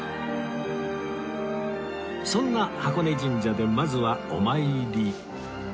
そんな箱根神社でまずはお参り